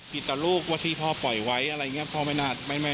ผิดต่อลูกว่าที่พ่อปล่อยไว้อะไรอย่างนี้